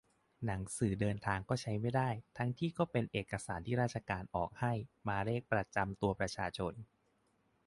หนังสือเดินทางก็ใช้ไม่ได้ ทั้งที่ก็เป็นเอกสารที่ราชการออกให้ มาเลขประจำตัวประชาชน